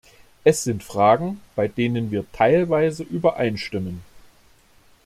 Es sind Fragen, bei denen wir teilweise übereinstimmen.